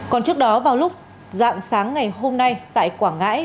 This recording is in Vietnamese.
còn trước đó vào lúc dạng sáng ngày hôm nay tại quảng ngãi